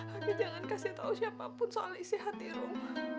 aki jangan kasih tau siapapun soal isi hati rum